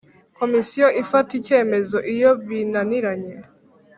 Komisiyo ifata icyemezo Iyo binaniranye